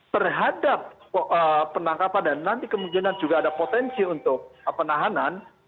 terhadap penangkapan dan nanti kemungkinan juga ada potensi untuk penahanan